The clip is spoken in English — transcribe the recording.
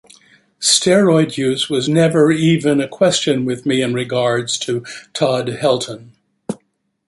Steroid use was never even a question with me in regards to Todd Helton.